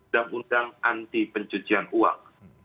dan undang anti pencucian uang